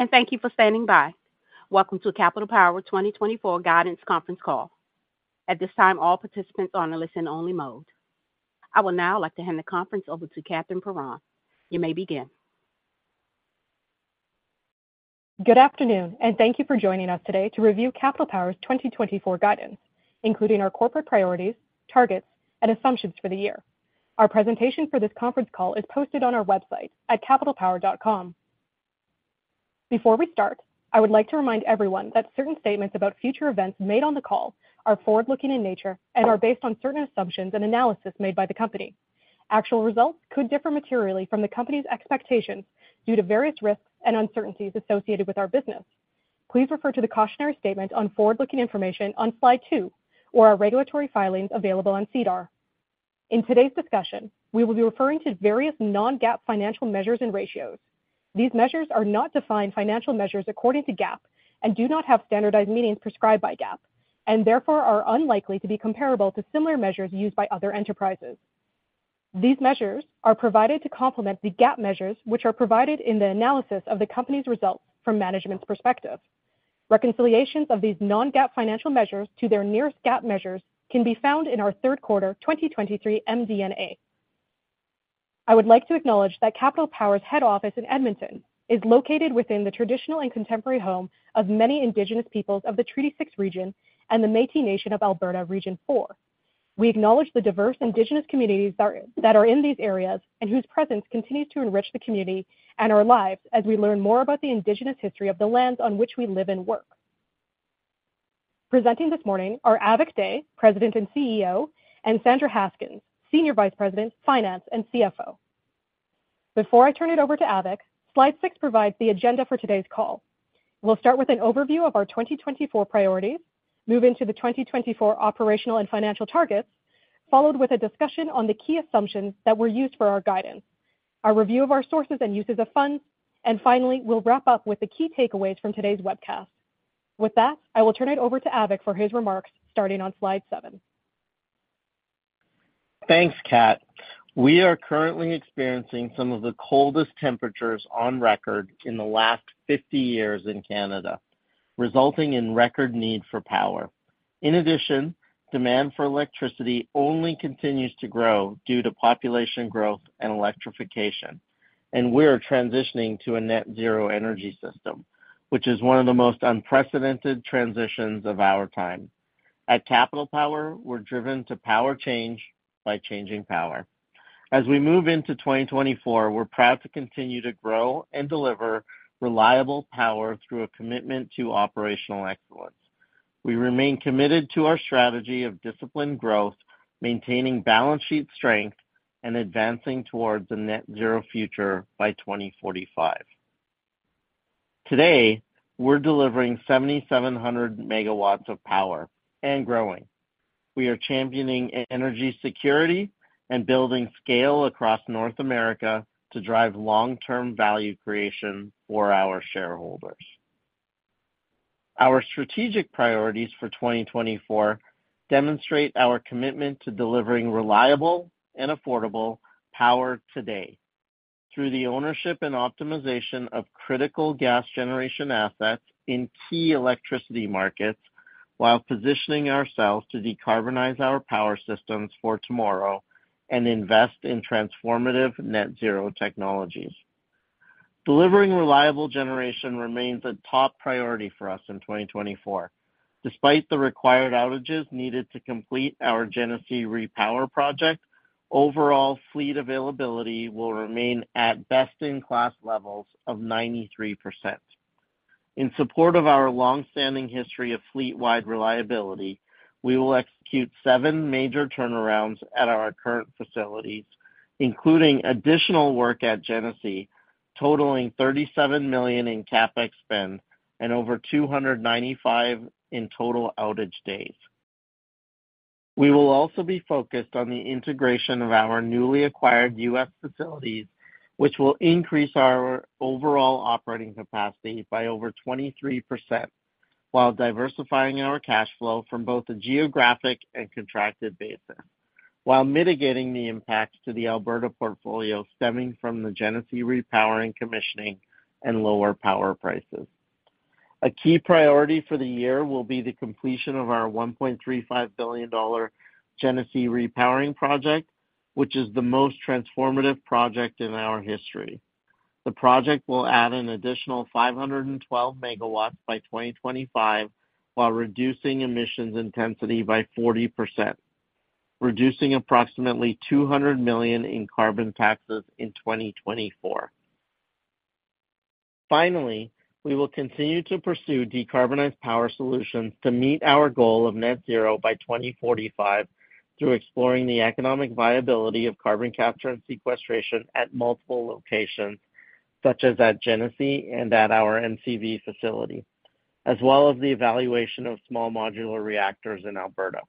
Hello, and thank you for standing by. Welcome to Capital Power 2024 Guidance Conference Call. At this time, all participants are on a listen-only mode. I will now like to hand the conference over to Katherine Perron. You may begin. Good afternoon, and thank you for joining us today to review Capital Power's 2024 guidance, including our corporate priorities, targets, and assumptions for the year. Our presentation for this conference call is posted on our website at capitalpower.com. Before we start, I would like to remind everyone that certain statements about future events made on the call are forward-looking in nature and are based on certain assumptions and analysis made by the company. Actual results could differ materially from the company's expectations due to various risks and uncertainties associated with our business. Please refer to the cautionary statement on forward-looking information on slide two or our regulatory filings available on SEDAR. In today's discussion, we will be referring to various non-GAAP financial measures and ratios. These measures are not defined financial measures according to GAAP and do not have standardized meanings prescribed by GAAP and therefore are unlikely to be comparable to similar measures used by other enterprises. These measures are provided to complement the GAAP measures, which are provided in the analysis of the company's results from management's perspective. Reconciliations of these non-GAAP financial measures to their nearest GAAP measures can be found in our third quarter 2023 MD&A. I would like to acknowledge that Capital Power's head office in Edmonton is located within the traditional and contemporary home of many Indigenous peoples of the Treaty Six region and the Métis Nation of Alberta, Region Four. We acknowledge the diverse Indigenous communities that are in these areas and whose presence continues to enrich the community and our lives as we learn more about the Indigenous history of the lands on which we live and work. Presenting this morning are Avik Dey, President and CEO, and Sandra Haskins, Senior Vice President, Finance and CFO. Before I turn it over to Avik, slide 6 provides the agenda for today's call. We'll start with an overview of our 2024 priorities, move into the 2024 operational and financial targets, followed with a discussion on the key assumptions that were used for our guidance, a review of our sources and uses of funds, and finally, we'll wrap up with the key takeaways from today's webcast. With that, I will turn it over to Avik for his remarks, starting on slide 7. Thanks, Kat. We are currently experiencing some of the coldest temperatures on record in the last 50 years in Canada, resulting in record need for power. In addition, demand for electricity only continues to grow due to population growth and electrification, and we are transitioning to a net zero energy system, which is one of the most unprecedented transitions of our time. At Capital Power, we're driven to power change by changing power. As we move into 2024, we're proud to continue to grow and deliver reliable power through a commitment to operational excellence. We remain committed to our strategy of disciplined growth, maintaining balance sheet strength, and advancing towards a net zero future by 2045. Today, we're delivering 7,700 megawatts of power and growing. We are championing energy security and building scale across North America to drive long-term value creation for our shareholders. Our strategic priorities for 2024 demonstrate our commitment to delivering reliable and affordable power today through the ownership and optimization of critical gas generation assets in key electricity markets, while positioning ourselves to decarbonize our power systems for tomorrow and invest in transformative net zero technologies. Delivering reliable generation remains a top priority for us in 2024. Despite the required outages needed to complete our Genesee Repowering Project, overall fleet availability will remain at best-in-class levels of 93%. In support of our long-standing history of fleet-wide reliability, we will execute seven major turnarounds at our current facilities, including additional work at Genesee, totaling 37 million in CapEx spend and over 295 in total outage days. We will also be focused on the integration of our newly acquired US facilities, which will increase our overall operating capacity by over 23%, while diversifying our cash flow from both a geographic and contracted basis, while mitigating the impacts to the Alberta portfolio stemming from the Genesee Repowering commissioning and lower power prices. A key priority for the year will be the completion of our 1.35 billion dollar Genesee Repowering project, which is the most transformative project in our history. The project will add an additional 512 MW by 2025, while reducing emissions intensity by 40%, reducing approximately 200 million in carbon taxes in 2024. Finally, we will continue to pursue decarbonized power solutions to meet our goal of net zero by 2045 through exploring the economic viability of carbon capture and sequestration at multiple locations, such as at Genesee and at our MCV facility, as well as the evaluation of small modular reactors in Alberta.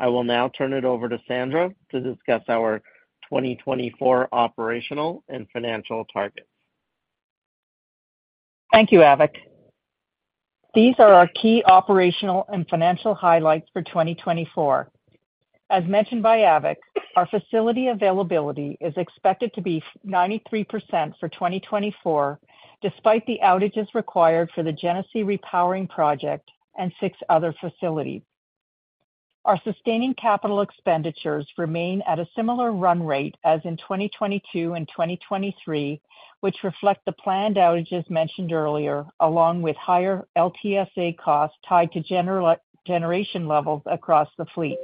I will now turn it over to Sandra to discuss our 2024 operational and financial targets. Thank you, Avik. These are our key operational and financial highlights for 2024. As mentioned by Avik, our facility availability is expected to be 93% for 2024, despite the outages required for the Genesee repowering project and six other facilities. Our sustaining capital expenditures remain at a similar run rate as in 2022 and 2023, which reflect the planned outages mentioned earlier, along with higher LTSA costs tied to general generation levels across the fleet.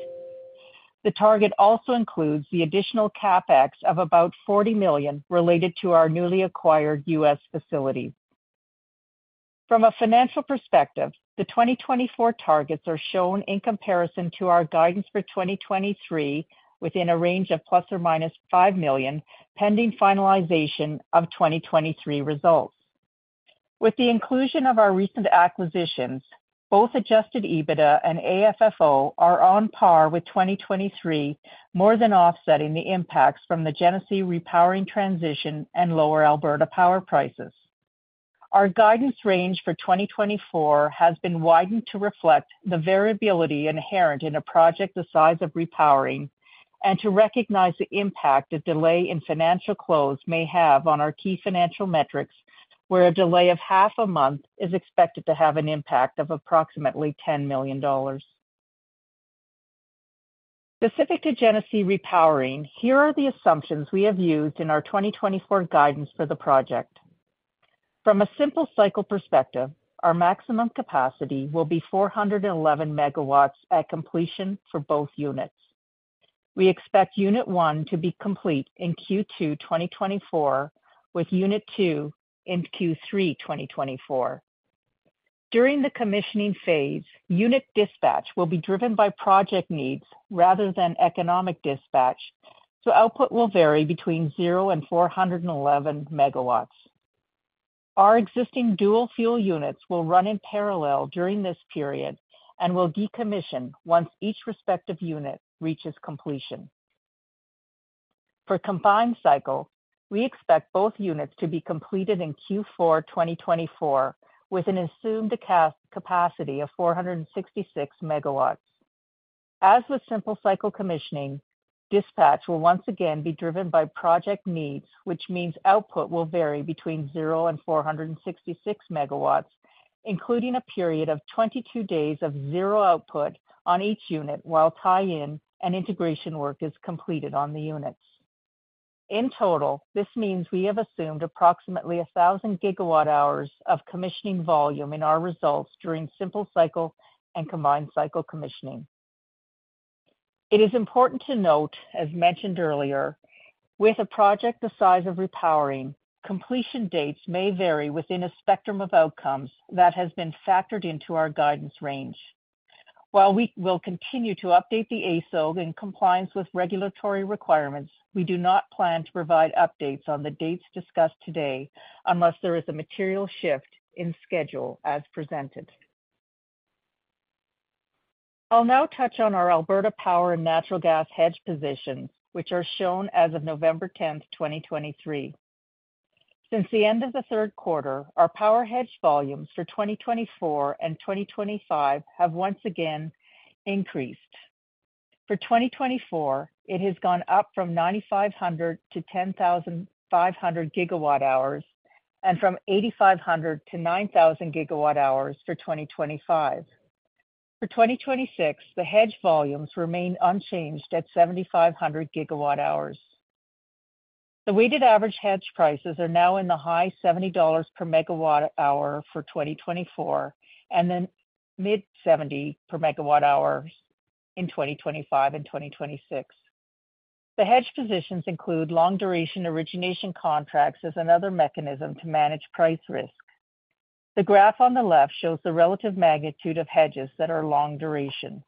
The target also includes the additional CapEx of about 40 million related to our newly acquired U.S. facilities. From a financial perspective, the 2024 targets are shown in comparison to our guidance for 2023, within a range of ±5 million, pending finalization of 2023 results. With the inclusion of our recent acquisitions, both Adjusted EBITDA and AFFO are on par with 2023, more than offsetting the impacts from the Genesee repowering transition and lower Alberta power prices. Our guidance range for 2024 has been widened to reflect the variability inherent in a project the size of repowering, and to recognize the impact a delay in financial close may have on our key financial metrics, where a delay of half a month is expected to have an impact of approximately 10 million dollars. Specific to Genesee repowering, here are the assumptions we have used in our 2024 guidance for the project. From a simple cycle perspective, our maximum capacity will be 411 megawatts at completion for both units. We expect Unit One to be complete in Q2, 2024, with Unit Two in Q3, 2024. During the commissioning phase, unit dispatch will be driven by project needs rather than economic dispatch, so output will vary between 0-411 MW. Our existing dual fuel units will run in parallel during this period and will decommission once each respective unit reaches completion. For combined cycle, we expect both units to be completed in Q4, 2024, with an assumed gross capacity of 466 MW. As with simple cycle commissioning, dispatch will once again be driven by project needs, which means output will vary between 0-466 MW, including a period of 22 days of zero output on each unit, while tie-in and integration work is completed on the units. In total, this means we have assumed approximately 1,000 GWh of commissioning volume in our results during simple cycle and combined cycle commissioning. It is important to note, as mentioned earlier, with a project the size of repowering, completion dates may vary within a spectrum of outcomes that has been factored into our guidance range. While we will continue to update the AESO in compliance with regulatory requirements, we do not plan to provide updates on the dates discussed today, unless there is a material shift in schedule as presented. I'll now touch on our Alberta power and natural gas hedge positions, which are shown as of November 10, 2023. Since the end of the third quarter, our power hedge volumes for 2024 and 2025 have once again increased. For 2024, it has gone up from 9,500 to 10,500 GWh, and from 8,500 to 9,000 GWh for 2025. For 2026, the hedge volumes remain unchanged at 7,500 GWh. The weighted average hedge prices are now in the high 70 dollars per MWh for 2024, and then mid-70 per MWh in 2025 and 2026. The hedge positions include long duration origination contracts as another mechanism to manage price risk. The graph on the left shows the relative magnitude of hedges that are long duration.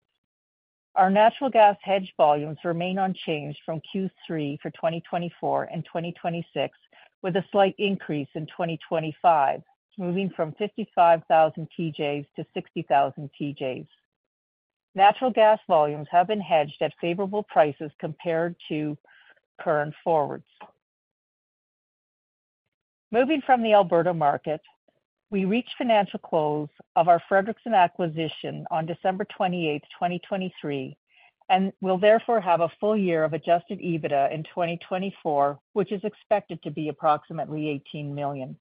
Our natural gas hedge volumes remain unchanged from Q3 for 2024 and 2026, with a slight increase in 2025, moving from 55,000 TJs to 60,000 TJs. Natural gas volumes have been hedged at favorable prices compared to current forwards. Moving from the Alberta market, we reached financial close of our Frederickson acquisition on December 28, 2023, and will therefore have a full year of Adjusted EBITDA in 2024, which is expected to be approximately 18 million.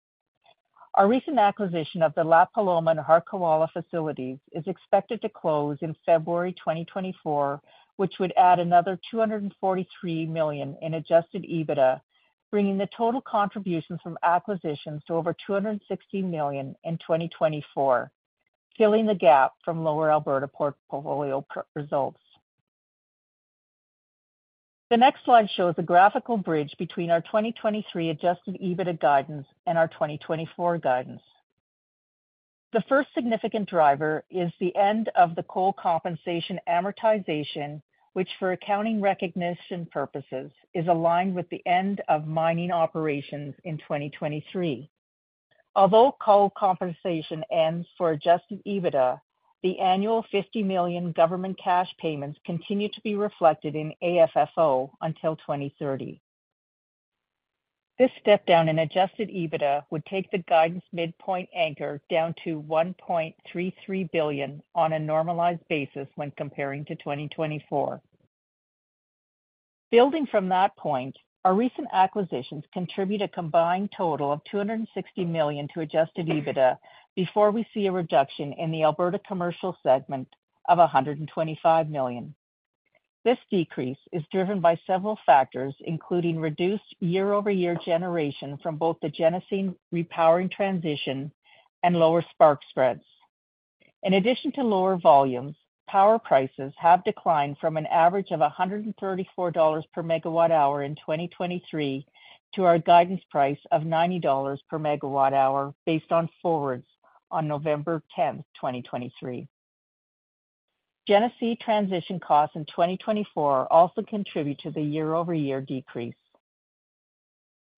Our recent acquisition of the La Paloma and Harquahala facilities is expected to close in February 2024, which would add another 243 million in adjusted EBITDA, bringing the total contributions from acquisitions to over 260 million in 2024, filling the gap from lower Alberta portfolio results. The next slide shows a graphical bridge between our 2023 adjusted EBITDA guidance and our 2024 guidance. The first significant driver is the end of the coal compensation amortization, which, for accounting recognition purposes, is aligned with the end of mining operations in 2023. Although coal compensation ends for adjusted EBITDA, the annual 50 million government cash payments continue to be reflected in AFFO until 2030. This step down in adjusted EBITDA would take the guidance midpoint anchor down to 1.33 billion on a normalized basis when comparing to 2024. Building from that point, our recent acquisitions contribute a combined total of 260 million to Adjusted EBITDA, before we see a reduction in the Alberta commercial segment of 125 million. This decrease is driven by several factors, including reduced year-over-year generation from both the Genesee repowering transition and lower spark spreads. In addition to lower volumes, power prices have declined from an average of 134 dollars per MWh in 2023 to our guidance price of 90 dollars per MWh, based on forwards on November 10, 2023. Genesee transition costs in 2024 also contribute to the year-over-year decrease.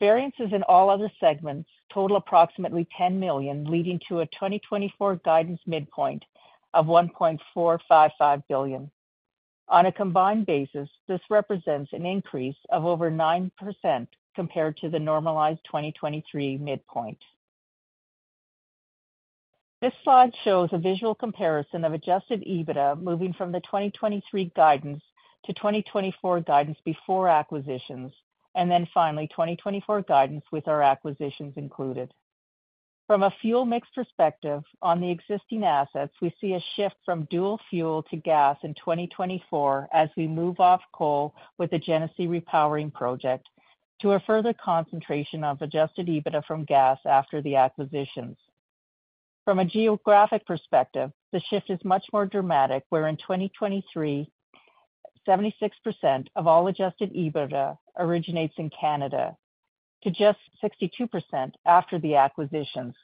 Variances in all other segments total approximately 10 million, leading to a 2024 guidance midpoint of 1.455 billion. On a combined basis, this represents an increase of over 9% compared to the normalized 2023 midpoint. This slide shows a visual comparison of Adjusted EBITDA moving from the 2023 guidance to 2024 guidance before acquisitions, and then finally, 2024 guidance with our acquisitions included. From a fuel mix perspective, on the existing assets, we see a shift from dual fuel to gas in 2024 as we move off coal with the Genesee repowering project, to a further concentration of Adjusted EBITDA from gas after the acquisitions. From a geographic perspective, the shift is much more dramatic, where in 2023, 76% of all Adjusted EBITDA originates in Canada to just 62% after the acquisitions,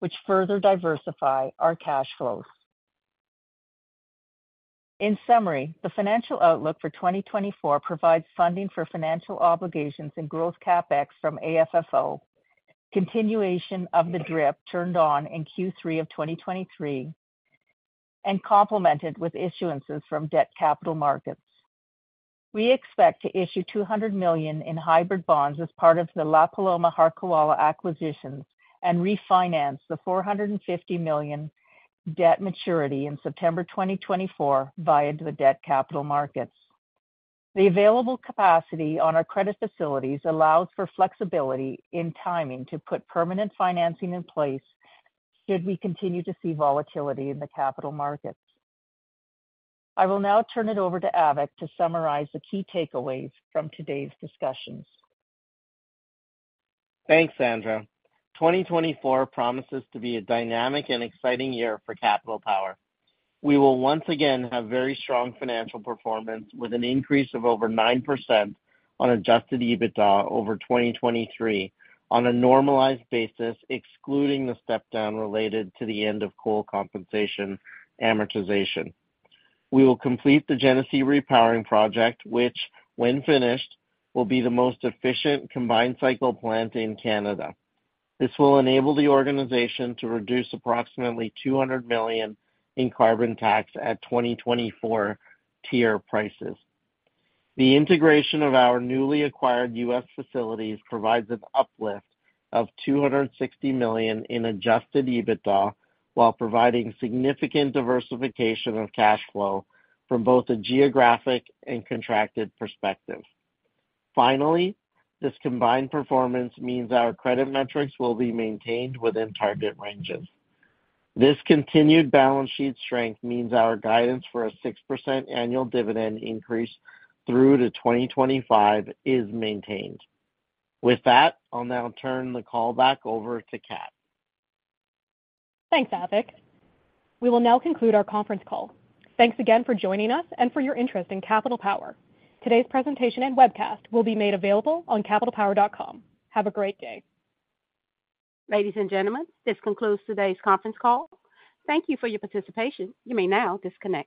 which further diversify our cash flows. In summary, the financial outlook for 2024 provides funding for financial obligations and growth CapEx from AFFO, continuation of the DRIP turned on in Q3 of 2023, and complemented with issuances from debt capital markets. We expect to issue 200 million in hybrid bonds as part of the La Paloma Harquahala acquisitions and refinance the 450 million debt maturity in September 2024 via the debt capital markets. The available capacity on our credit facilities allows for flexibility in timing to put permanent financing in place should we continue to see volatility in the capital markets. I will now turn it over to Avik to summarize the key takeaways from today's discussions. Thanks, Sandra. 2024 promises to be a dynamic and exciting year for Capital Power. We will once again have very strong financial performance, with an increase of over 9% on adjusted EBITDA over 2023 on a normalized basis, excluding the step down related to the end of coal compensation amortization. We will complete the Genesee Repowering Project, which when finished, will be the most efficient combined-cycle plant in Canada. This will enable the organization to reduce approximately 200 million in carbon tax at 2024 TIER prices. The integration of our newly acquired US facilities provides an uplift of 260 million in adjusted EBITDA, while providing significant diversification of cash flow from both a geographic and contracted perspective. Finally, this combined performance means our credit metrics will be maintained within target ranges. This continued balance sheet strength means our guidance for a 6% annual dividend increase through to 2025 is maintained. With that, I'll now turn the call back over to Kat. Thanks, Avik. We will now conclude our conference call. Thanks again for joining us and for your interest in Capital Power. Today's presentation and webcast will be made available on capitalpower.com. Have a great day. Ladies and gentlemen, this concludes today's conference call. Thank you for your participation. You may now disconnect.